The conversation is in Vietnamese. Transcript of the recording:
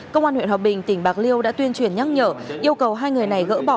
công an huyện hòa bình tỉnh bạc liêu đã tuyên truyền nhắc nhở yêu cầu hai người này gỡ bỏ